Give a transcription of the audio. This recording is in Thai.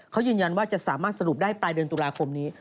เขายืนยันว่าจะสามารถสรุปได้ปลายเดือนตุลาคมนี้